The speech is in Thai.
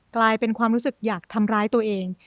กลายเป็นความรู้สึกอยากทำร้ายตัวเอง